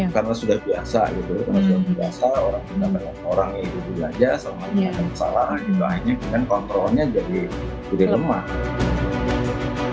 karena sudah biasa orang orang yang belajar sama masalah kontrolnya jadi lemah